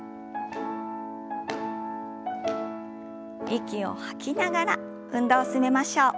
息を吐きながら運動を進めましょう。